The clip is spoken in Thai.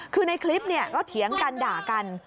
คือในคลิปก็เถียงกันด่ากัน